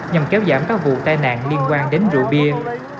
nhằm kéo giảm các vụ tai nạn liên quan đến rượu bia